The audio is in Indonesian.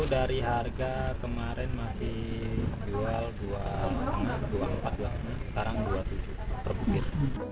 itu dari harga kemarin masih jual dua puluh empat rupiah sekarang dua puluh tujuh rupiah per butir